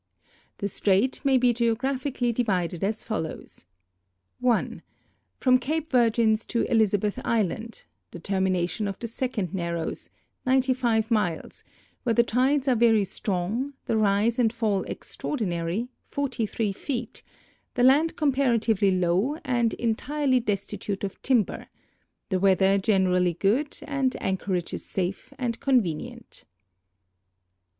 The strait may be geographically divided as follows : (1) From Cape Virgins to Elizabeth island, the termination of the second narrows, 95 miles, where the tides are very strong, the rise and fall extraordinary (43 feet), the land comparatively low and en tirely destitute of timber, the weather generally good, and an chorages safe and convenient.